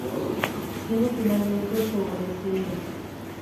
Siendo finalmente sobreseída.